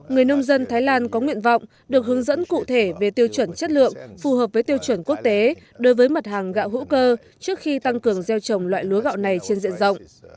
người nông dân thái lan có nguyện vọng được hướng dẫn cụ thể về tiêu chuẩn chất lượng phù hợp với tiêu chuẩn quốc tế đối với mặt hàng gạo hữu cơ trước khi tăng cường gieo trồng loại lúa gạo này trên diện rộng